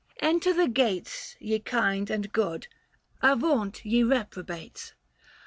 Enter the gates, Ye kind and good ; avaunt ye reprobates !